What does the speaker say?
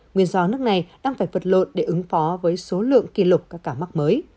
nguyên do nước này đang phải vật lộn để ứng phó với số lượng kỷ lục các ca mắc mới